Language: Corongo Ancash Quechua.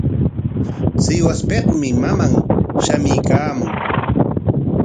Sihuaspikmi maman shamuykaamun.